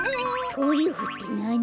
トリュフってなに？